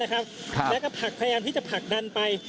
ผมพยายามที่จะผักดันไป